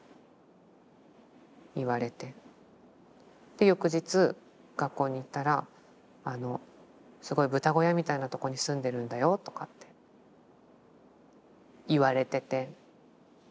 で翌日学校に行ったら「すごい豚小屋みたいなとこに住んでるんだよ」とかって言われてて。